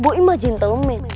boeim mah gentleman